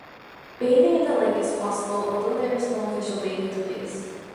Bathing in the lake is possible although there is no official bathing place.